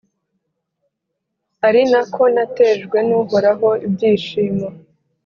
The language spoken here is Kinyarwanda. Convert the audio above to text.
ari na ko natejwe n’Uhoraho ibyishimo